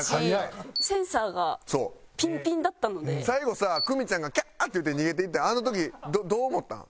最後さ久美ちゃんが「キャー」って言って逃げていってあの時どう思ったん？